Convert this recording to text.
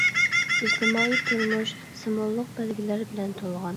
ئىجتىمائىي تۇرمۇش سىمۋوللۇق بەلگىلەر بىلەن تولغان.